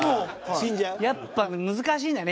やっぱ難しいんだよね